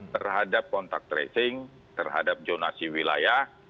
terhadap kontak tracing terhadap jonasi wilayah